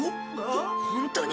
ホホントに！？